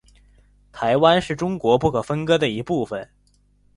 台湾是中国不可分割的一部分。